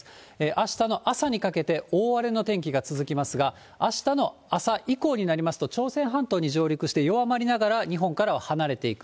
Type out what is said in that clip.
あしたの朝にかけて大荒れの天気が続きますが、あしたの朝以降になりますと、朝鮮半島に上陸して弱まりながら、日本からは離れていく。